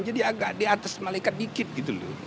jadi agak di atas malaikat dikit gitu loh